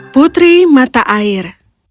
putri mata air